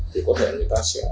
thì có thể người ta sẽ